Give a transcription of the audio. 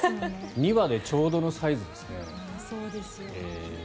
２羽でちょうどのサイズですね。